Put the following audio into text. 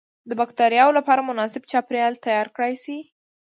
د بکترياوو لپاره مناسب چاپیریال تیار کړای شي.